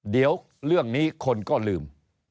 เดี๋ยวเรื่องนี้คนก็ลืม